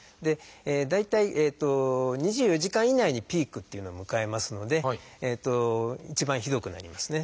大体２４時間以内にピークっていうのを迎えますので一番ひどくなりますね。